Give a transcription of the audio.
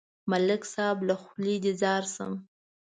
ملک صاحب، له خولې دې ځار شم.